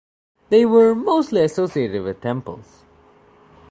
They were mostly associated with temples.